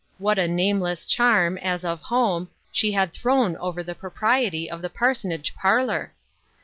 What a nameless charm, as of home, she had thrown over the propriety of the parsonage parlor